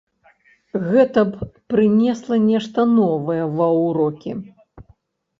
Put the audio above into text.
Гэта б прынесла нешта новае ва ўрокі.